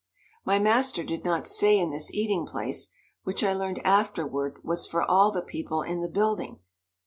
My master did not stay in this eating place, which I learned afterward was for all the people in the building.